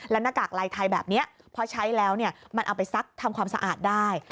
แล้วหน้ากากลายไทยแบบนี้พอใช้แล้วมันเอาไปซักทำความสะอาดได้